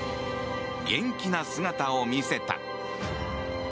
元気な姿を見せた。